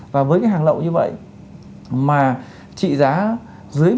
và với cái hàng lậu như vậy mà trị giá dưới